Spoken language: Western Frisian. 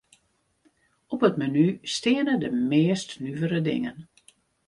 Op it menu steane de meast nuvere dingen.